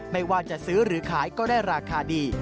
ไม่ว่าจะซื้อหรือขายก็ได้ราคาดี